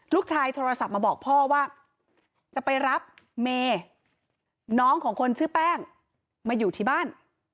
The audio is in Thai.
โทรศัพท์มาบอกพ่อว่าจะไปรับเมย์น้องของคนชื่อแป้งมาอยู่ที่บ้าน